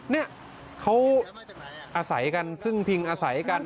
เนี่ยเขาอาศัยกันพึ่งพิงอาศัยกัน